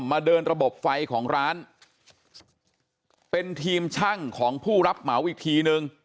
มาเดินระบบไฟของร้านเป็นทีมช่างของผู้รับเหมาอีกทีนึง